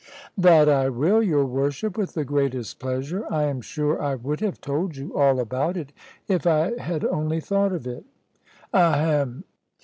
"That I will, your worship, with the greatest pleasure. I am sure I would have told you all about it, if I had only thought of it." "Ahem!"